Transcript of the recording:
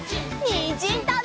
にんじんたべるよ！